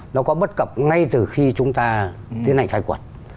nó có bất cập ngay từ khi chúng ta tiến hành khai quật